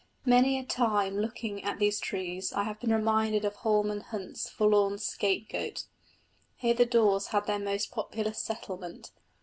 Many a time looking at one of these trees I have been reminded of Holman Hunt's forlorn Scapegoat. Here the daws had their most populous settlement.